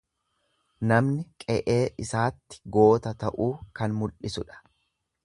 Namni qe'ee isaatti goota ta'uu kan mul'isudha.